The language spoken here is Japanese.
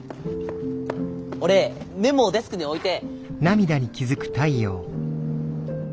俺メモをデスクに置いて。